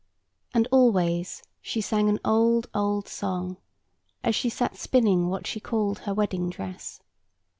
And always she sang an old old song, as she sat spinning what she called her wedding dress.